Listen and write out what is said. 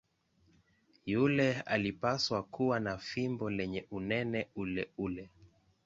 Yule alipaswa kuwa na fimbo lenye unene uleule.